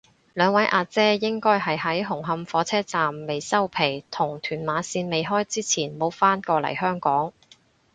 兩位阿姐應該係喺紅磡火車站未收皮同屯馬綫未開之前冇返過嚟香港